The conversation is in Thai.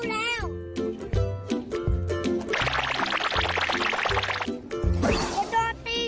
โดยเฉพาะพี่ภาพ